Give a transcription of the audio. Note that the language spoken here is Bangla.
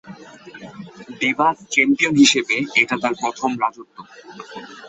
ডিভাস চ্যাম্পিয়ন হিসেবে এটা তার প্রথম রাজত্ব।